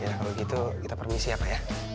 ya kalau gitu kita permisi ya pak ya